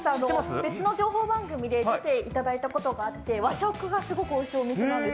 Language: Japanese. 別の情報番組で出ていただいたことがあって和食がすごくおいしい店なんです。